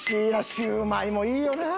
シューマイもいいよなあ。